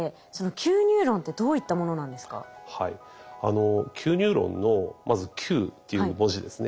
Ｑニューロンのまず「Ｑ」っていう文字ですね